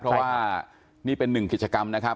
เพราะว่านี่เป็นหนึ่งกิจกรรมนะครับ